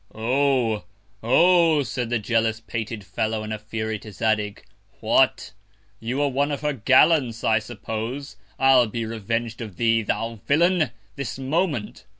Oh! Oh! said the jealous pated Fellow in a Fury to Zadig, What! You are one of her Gallants, I suppose. I'll be reveng'd of thee, thou Villain, this Moment.